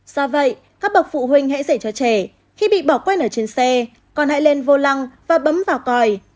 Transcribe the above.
do vậy các bậc phụ huynh hãy dạy cho trẻ khi bị bỏ quên ở trên xe còn hãy lên vô lăng và bấm vào còi